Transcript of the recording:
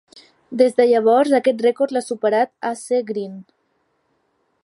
Des de llavors, aquest rècord l'ha superat A. C. Green.